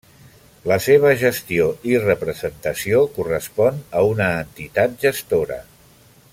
La seva gestió i representació correspon a una entitat gestora.